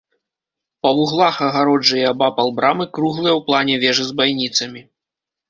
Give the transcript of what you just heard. Па вуглах агароджы і абапал брамы круглыя ў плане вежы з байніцамі.